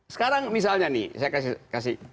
sekarang misalnya nih